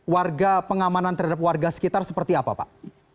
warga pengamanan terhadap warga sekitar seperti apa pak